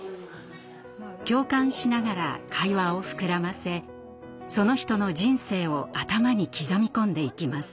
共感しながら会話を膨らませその人の人生を頭に刻み込んでいきます。